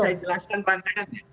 saya jelaskan pantangannya